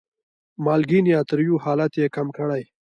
مالګین یا تریو حالت یې کم کړي.